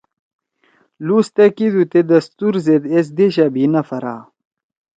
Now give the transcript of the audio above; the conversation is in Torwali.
لوز تأ کیِدُو تے دستور زید ایس دیشا بھی نہ پھرا